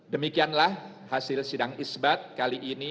demikianlah hasil sidang isbat kali ini